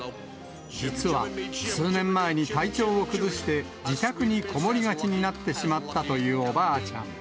実は、数年前に体調を崩して、自宅にこもりがちになってしまったというおばあちゃん。